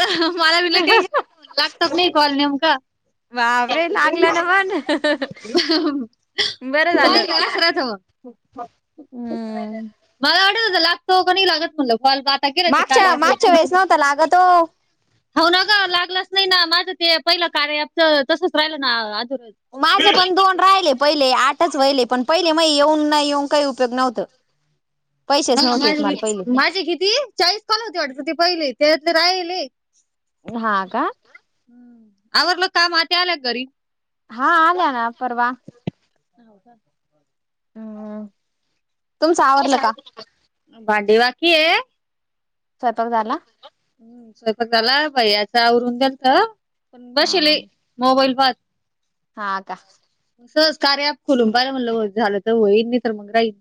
आ मला बिले टेनशन लागतात नाही कॉल नेमका. बाबरे लागलं ना मण. म झालं. गळा खराचव. हम्म मला वाटत होत लागतो क लागत म्हणलं फॉल पा तगकीरते काळ लागतो. हो ना ग लागलाच नाही ना माझं ते पहिलं कार्यच तसच राहिलं ना आज. माझे पण दोन राहिले पहिले आठच वहिले पण पहिले मग येऊन ना येऊन काही उपयोग नव्हत. माझ माझे किती चाळीस कॉल होती वाटत ते पहिले तेतले राहिले. ह ह आवरलं कामात आल्या घरी. हा आल्या ना परवा. हो का. हम्म तुमचं आवरलं का भांडी बाकी आहे. स्वयंपाक झाला. हम् स्वतः झाला बाई याच आवरून गल तर पण हा बसेल मोबाईल वा. हा का. सज कार्या आप खुलंून पाहियला म्हटलं झालं तर होईन नाही तरर मग राहीनल.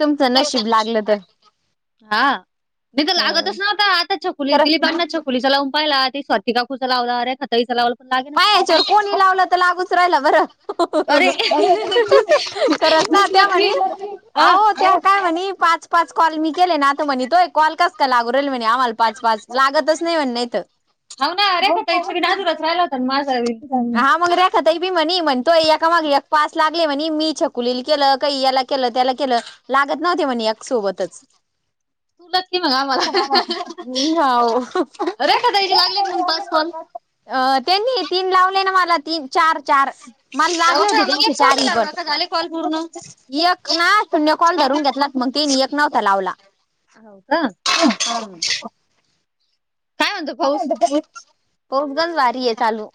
तुमचं तेव नशीब लागलं का तर. न. हा मी तर लागतच नाता आता छकुली खरं दिलीपांना छक पोलिस लावून पाहिला त ते स्वाती का खूचा लावला अे खतईच लावलं पण लागे पायाच्यावर नसते. कोणी लावलं तर लागूच राहिलं बरं. अरे तू खरच ना तूच त्या म्हनी लकी. अ आो त्या. काय म्हणे पाच पाच कॉल मी केले नातो म्हणे तोय कॉल कस. लागू राहील म्ह आम्हाला पाच पाच लागतच नाही म्हण नाहीथ. सनमावी. हा मग रेखत आहे बी म्हणे म्हणतो एका माग पास लागले म्हणे मी छकुलील केलं काही याला केलं त्याला केलं लागत नव्हत म्हणे या सोबतच [inaudible] तुलत कि मग आम्हाला हो रेखा द्यायची लागली पाच पण अ त्यांनी तीन लावले ना मला तीन चार चार मला अहो लागले का होते मग त्यांची एक फोन नाही चारी प लावला का झाले कॉल पूर्ण. एक एकक ना शून्य कॉल धरून घेतला मग त नि एकक नाव त्या लावला ह का ह हा काय म्हणतो पाऊस? पोपगंज वारी आहे चालू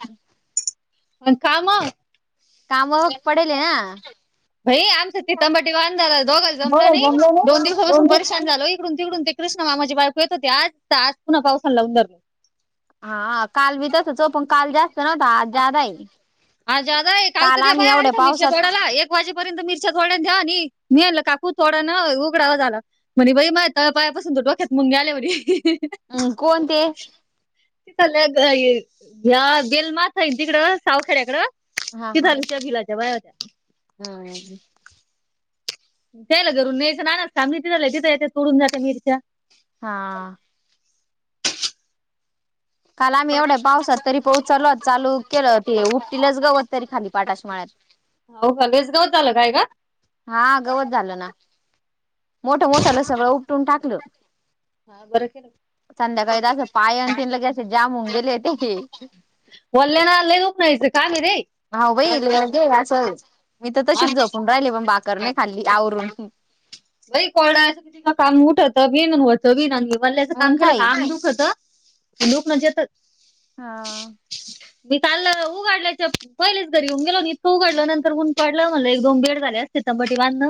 आणि काम कामावर पडेल ना भई आमचं चितथंबाटी वान झाला दोघच बघ जमलं नाही दोन नाही दिवसापासून दिवस परेशान झाल तिकडून तिकडून ते कृष्ण मामाची बायको येत होते आज आज पुन्हा पावसाला लावून धरल. हा काल बी तसच होत पण काल जात [unintelligible] आजादा आहे काल तर त्या आम्ही बाया एवढ्या आलत्या मिरच्या पावसात तोडायला एक वाजेपर्यंत मिरच्या तोडल्या त्यांनी मी म्हटलं काकू थोडान उभ राहव झाला. म्हणे बाई माया तळ पायापासून तर डोक्यात मुग्या आल्या म्हणे. कोण ते त गेल म. [unintelligible] तिकडं सावखेड्याकडं तिधलच्या भिलाच्या बाया होत्या. हम्म. त्यायला घरून न्यायच ना का तिल तथ येते तोडून जात मिरच्या. हा. काल आम्ही एवढ्या पावसात तरी पोहोचलत चालूत चाल केलं ते उठटलंच गावत तरी खाली पाटाशमाळ्यात. हो कावेसगाव चाल कायग? हा गवत झालं ना मोठ मोठलं सगळं उपटून टाकलं. हा बरं केलं संध्याकाळी जास पाय अन ते असे जाम होऊन गेल ते. वल्ल्या नाल्ले लय दुखन यायच काम आहे ते. हऊ बाई लयगे असं मी तर तशीच जपून राहिली पण भाकर नाही खाल्ली आवरून. रे बाई कोरड्याच किती काम उठ होतं बिन अन होत बी वल्याचं मग काम केलं काय का आग दुखत. लोक म्हणत्यातच. हा. ह [unintelligible] मी काल उघडल्यायच्या पहिलेच घरी येऊन गेली होती न तो उघडल नंतर ऊन पडला म्हणलं एक, दोन बेड झाले असते. टबाटेला अन्न.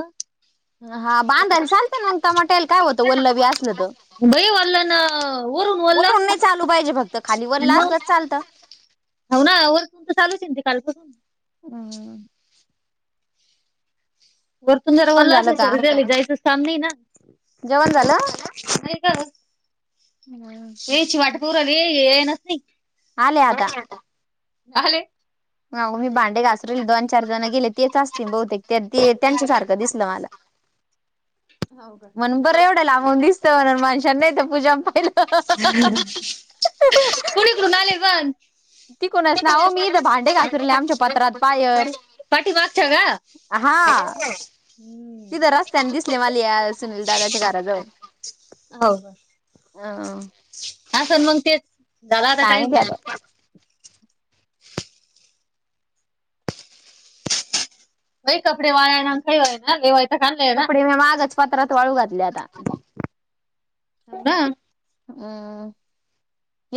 हा बांधायला चालत ना मग टमाटयाला काय होतं वल्लभी असलं तर बई वाल्ला ना वरून वाल्ल नाही चालू पाहिजे फक्त खाली वरला असलच चालतं हो ना वरुन तुमच चालूच आहे ते कालपासून. ह. वरतून जरा पण वल्ला झालं असे का जायचं काम नाही ना जेवण झालं नाही ग. येची वाट पाहुन रायली हे येईनाच झाले आले आता आले. मी भांडे घासरल दोन, चार जण गेले तेच असतील बहुतेक ते त्यांच्या सारखं दिसलं मला. [inaudible] हाव का? मण बरं एवढं लाबून दिसत माणशां नाही ते पूजा पाहिलं. कोणी कडुणा आले पण ती कोणच ना हो मी इथे भांडे घासून राहिली आमच्या पत्रात बायर. अच्छ का. हम्म. तिथ रास्त्यानी दिसले मला या सुनील दादाच्या घरा जवळ. हो हा हम. हा सण मग तेच झाला आता काय टाईम माहिती बाहेर बाई कपडे वाळेना अन खैयवैयना लय. आणलाय ना कपडे मी मागच पात्रात वाळू घातले आता. हो ना अम [unintelligible]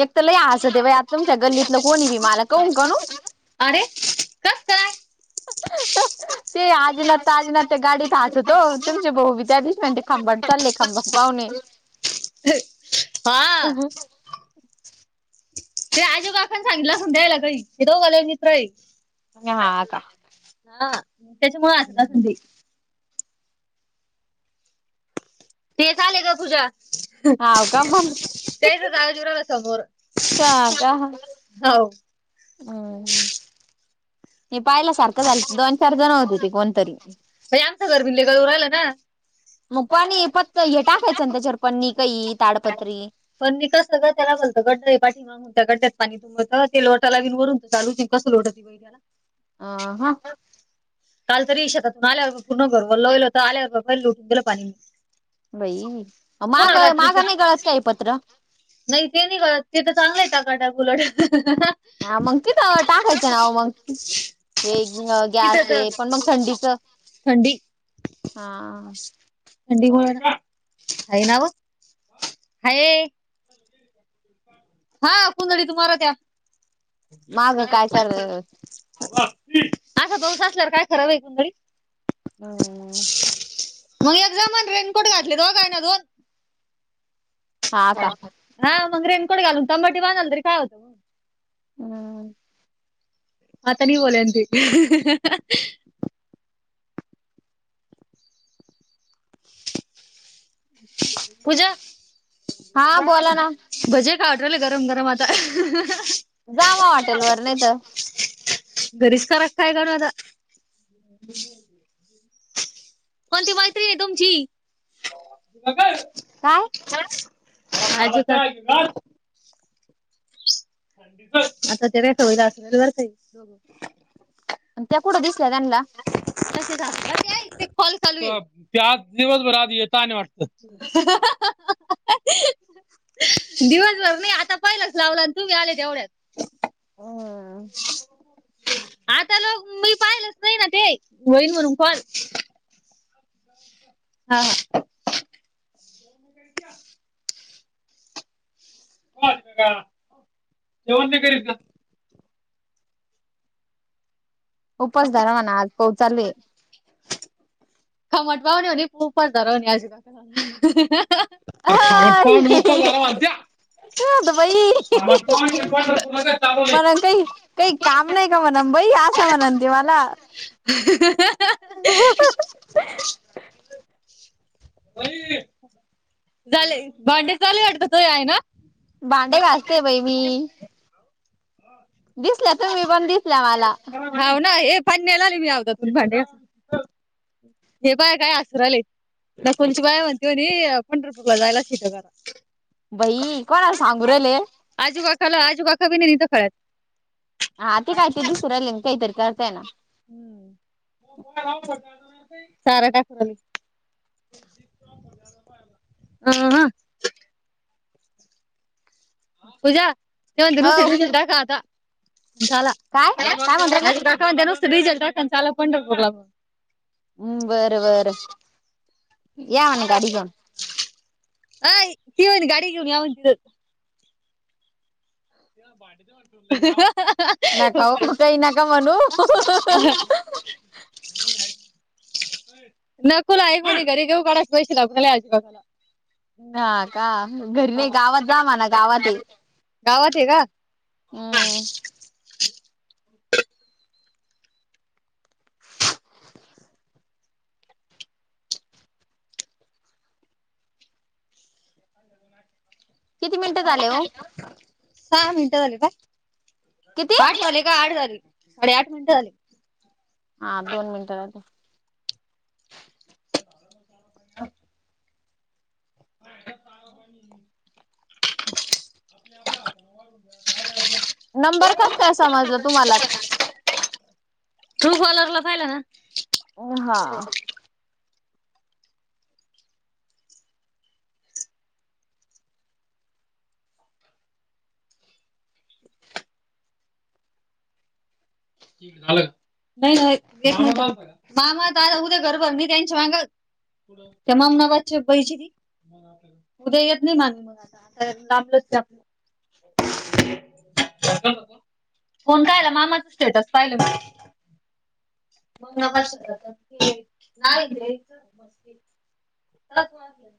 एक तर लय हासतय बाय आता तुमच्या गल्लीतलं कोणी बी मला कावुन कावुण अरे कस काय? ते आजीनात आजीनात ते गाडीत हचतो तुमचे भाऊ विचार त्या दिवशी म्हणते खामगावले चालले खामगाव पाहुणये. हा. [inaudible] ते आजु काकाने सांगितलं असलं त्याला काही ते दोघ लय मित्र आहे. हा का. हा त्याच्या मुळ हासत आसल ते. तेच आले ग तूजा हाव का मग तेच राजुदादा समोर काका हा हो हम हे पाहिला सारखं झाल दोन चार जण होते ते कोणतरी आचं भिल्लेगडवर रा आला ना मग पणी फत्त हे टाकायचं ना त्याच्यावर पन्नी काई ताडपत्री पण निका सगळ त्याला गलतं ग पाठीमा ण त्याकडत पाणी तुम तेल वटाला लागलं वरून चालू कसं लोटंत होतं सगळी कड अ हा काल तरी शेतातूनआल्यावर पूर्ण गरगर होईलत हो तर आल्यावरहि ल उठून गेलं होत पाणी बई पुन्हा माग रात्रीच मागनई गळत काय पत्र नाही ते नाही कळत ते तर चांगलंय टकाटक उलट हा मग तिच टाकायचं नाव मग हे घेऊ इथं गॅसते तर पण मग थंडीच थंडी हा ंडी हई नाव हायै ह हा कुंदळी तुम्हाला द्या माग कायतर असा पाऊस असल्यावर काय खरावं आहे घरी अम्म मग एक्झाम रेनकोट घातले रोज हायना दोन हा का हा मंग रेनकोट घालून तांबाटी बांधाल तरी काय होतयं अम्म आतनी बोलायनते पूजा हा बोला ना भजे खाऊवाटलय गरम गरम आता जावा हॉटेल वर नई तर घरीच करा काय गण आता ब कोणती मैत्री ये तुमची बग काय आज आता तेव आठवीला असल्या बर का दोघ आणि त्या कुठं दिसल्याय त्यांना दिवसभर आ येत आणि वाटत. [unintelligible] दिवसभर नाही आता पहिलाच लावला, आणि तुम्ही आले तेवढ्यात. हो. आता ल मी पाहिलच नाही ना ते, होईल म्हणून कॉल. हा हा. जेवण नाही करीत का? उपास धरा म्हना आज पाऊस चालूये. खमट पावणी म्हनी उपास धरा म्हनी [unintelligible] ह त बाई मला काही काही. काम नाही का म्हणून बई, असं म्हण ते मला. ह [unintelligible] झाले, भांडे चाले वाटत तुया आई न. भांडे घाासते बाई मी. दिसल्या तुम्ही पण दिसल्या मला हाऊ ना हे पन्याला मी आवरा मी भांडे घास हे बाया काय आसरायलय ना कोणची बाया म्हणते हो पंढरपूरला जायला शिका जरा बई कोणाला सांगूरहले आजूबाकाला आजू काका बी नाही कळत हा ते काय ते दिसू राहिले, काहीतरी करताय ना. [unintelligible] चारा टाकू राहीली, ह ह. पूजा ते म्हणता दुसऱी हो रिफिन टाका आता झाला. काय ते काय म्हणू राहिले म्हणत्या नुसतं डझल् टाकान, चाला पंढरपूरला. हम्म, बर बर या म्हण गाडी घेऊन. आय ति म्हनी गाडी घिऊन या म्हनी तिथ. [unintelligible] [unintelligible] नका हो काही नका म्हनू. नकोला एकवणी घरी घेऊ काणाच पैश ला भला अजी बघाला. हा का? घरी नाही गावात जा म्हना गावाते. गावाते का? हम्म. किती मिनिटं झाले ओ. सहा मिनिटं झाले पाय, किती आठ झाले ग आठ झाले, साडे आठ मिनटं झाले. हा दोन मिनिट राहीले. [inaudible] [inaudible] नंबर कसकाय समाजला तुम्हाला. ट्रु कॉलरला पाहीलं ना. अ हा. झाल का? नाही नाही मामा त उद्या घरभरनीये, त्यांच्या माग. तमाम न वाजचे पैची मग आपल्याकड. उद्या येत नाही मान मग आता, लांबलंच की आपलं. कोण कायला मामाच स्टेटस पाहिले. [unintelligible] नावे का त्यांचं. लग्न.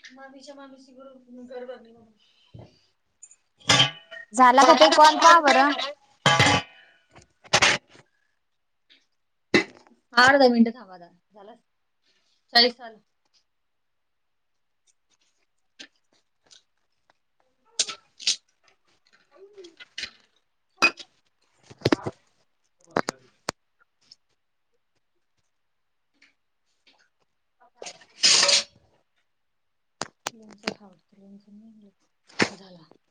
[unintelligible] झाला का ताई कॉल पाहा बंरं ह अर्धा मिनटं थांबा [unintelligible] चाळीस झालं [unintelligible] [inaudible] [unintelligible]